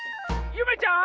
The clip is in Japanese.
ゆめちゃん！